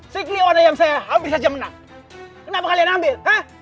sikly ada yang saya hampir saja menang kenapa kalian ambil